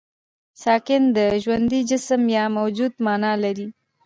ساکښ د ژوندي جسم يا موجود مانا لري.